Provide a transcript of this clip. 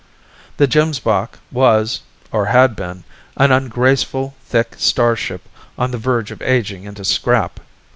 The Gemsbok was or had been an ungraceful, thick starship on the verge of aging into scrap.